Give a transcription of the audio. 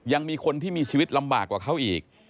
ยังมีคนที่มีชีวิตลำบากกว่าเขาอีก